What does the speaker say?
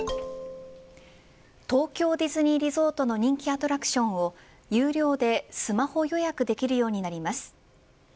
東京ディズニーリゾートの人気アトラクションを有料でスマホ予約できるようになります。